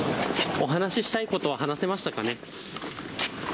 お話したいことは話せましたかね。